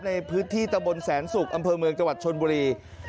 ในพื้นที่ตะบนแสนศุกร์อำเภอเมืองจังหวัดชนบุรี